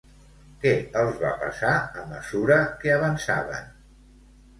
Què els va passar a mesura que avançaven?